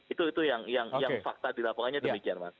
itu yang fakta di lapangannya demikian mas